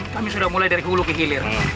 kami sudah mulai dari hulu ke hilir